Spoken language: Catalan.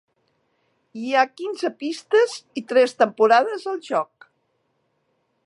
Hi ha quinze pistes i tres temporades al joc.